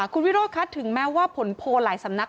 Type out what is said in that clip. คุณวิโรธคะถึงแม้ว่าผลโพลหลายสำนัก